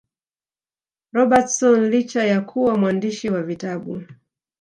Robertson licha ya kuwa mwandishi wa vitabu